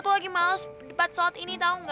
aku lagi males debat saat ini tau gak